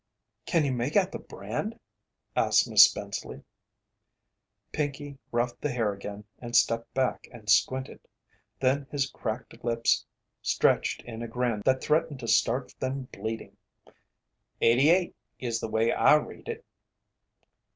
"Can you make out the brand?" asked Miss Spenceley. Pinkey ruffed the hair again and stepped back and squinted. Then his cracked lips stretched in a grin that threatened to start them bleeding: "'88' is the way I read it."